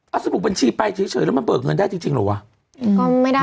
เอาสมุดบัญชีไปเฉยแล้วมันเบิกเงินได้จริงเหรอวะ